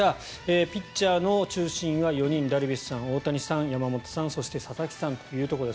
ピッチャーの中心は４人ダルビッシュさん、大谷さん山本さん、そして佐々木さんというところです。